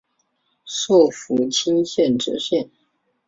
授福清县知县。